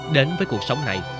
đến với cuộc sống này